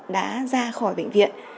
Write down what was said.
đã ra khỏi bệnh viện